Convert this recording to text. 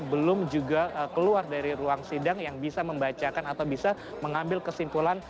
belum juga keluar dari ruang sidang yang bisa membacakan atau bisa mengambil kesimpulan